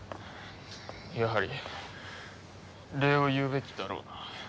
やはり礼を言うべきだろうな。